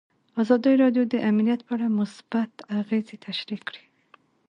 ازادي راډیو د امنیت په اړه مثبت اغېزې تشریح کړي.